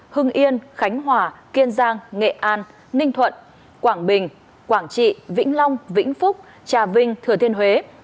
hưng yên khánh hòa kiên giang nghệ an ninh thuận quảng bình quảng trị vĩnh long vĩnh phúc trà vinh thừa thiên huế